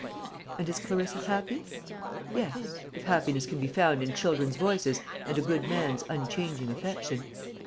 And is Clarissa happy? Yes, if happiness can be found in children's voices and a good man's unchanging affection.